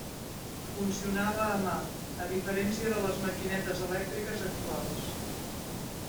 Funcionava a mà, a diferència de les maquinetes elèctriques actuals.